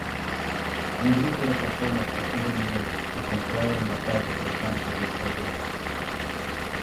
Un grupo de personas pusieron dinero y compraron la talla del santo de escayola.